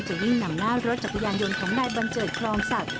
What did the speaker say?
วิ่งนำหน้ารถจักรยานยนต์ของนายบัญเจิดคลองศักดิ